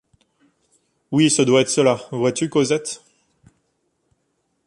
Oui, ce doit être cela, vois-tu, Cosette?